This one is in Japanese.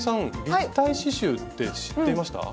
立体刺しゅうって知っていました？